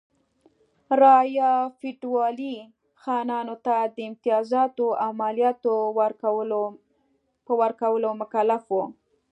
رعایا فیوډالي خانانو ته د امتیازاتو او مالیاتو په ورکولو مکلف و.